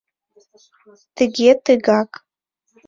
Тыге, тыгак.